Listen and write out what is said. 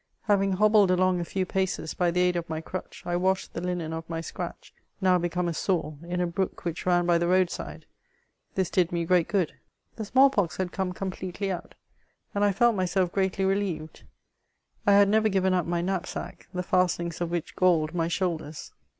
Having hobhled along a few paces hy the aid of my crutch, I washed the linen of my scratch, now become a sore, in a hrook which ran by the road side ; this did me great good. The small pox had come completely out, and I felt myself greatly relieved. I had never given up my knapsack, the fastenings of which galled my shoulders.